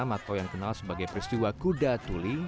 atau yang kenal sebagai peristiwa kuda tuli